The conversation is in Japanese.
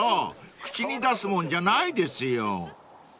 口に出すもんじゃないですよ］